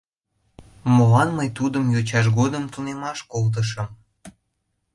Молан мый тудым йочаж годым тунемаш колтышым?